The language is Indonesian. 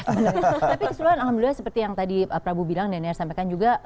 tapi keseluruhan alhamdulillah seperti yang tadi prabu bilang daniel sampaikan juga